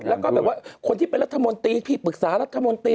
แล้วก็แบบว่าคนที่เป็นรัฐมนตรีพี่ปรึกษารัฐมนตรี